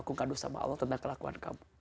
aku kandung sama allah tentang kelakuan kamu